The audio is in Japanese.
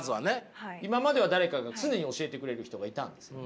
今までは誰かが常に教えてくれる人がいたんですね。